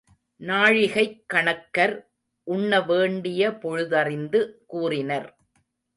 நாழிகைக் கணக்கர் உண்ண வேண்டிய பொழுதறிந்து கூறினர்.